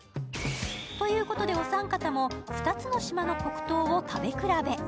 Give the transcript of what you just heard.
ということでお三方も２つの島の黒糖を食べ比べ。